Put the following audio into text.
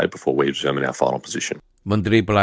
mereka memiliki posisi yang berbeda